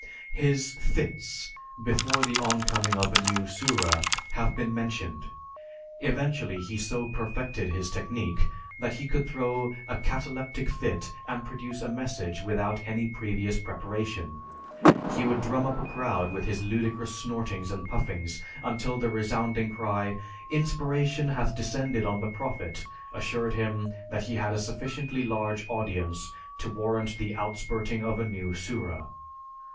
His "fits" before the oncoming of a new Sura have been mentioned. Eventually, he so perfected his technique that he could throw a cataleptic fit and produce a message without any previous preparation. He would drum up a crowd with his ludicrous snortings and puffings until the resounding cry, "Inspiration hath descended on the Prophet!" assured him that he had a sufficiently large audience to warrant the out spurting of a new Sura.